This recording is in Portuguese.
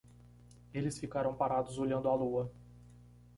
Eles ficaram parados olhando a lua.